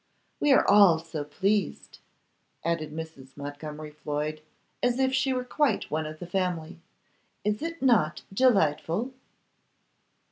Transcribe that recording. We are all so pleased,' added Mrs. Montgomery Floyd, as if she were quite one of the family. 'Is it not delightful?